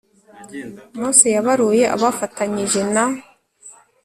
Mose yabaruye afatanyije na